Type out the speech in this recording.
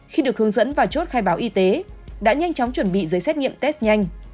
khi được hướng dẫn vào chốt khai báo y tế đã nhanh chóng chuẩn bị giấy xét nghiệm test nhanh